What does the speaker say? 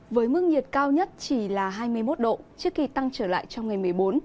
với mức nhiệt cao nhất chỉ là hai mươi một độ trước khi tăng trở lại trong ngày một mươi bốn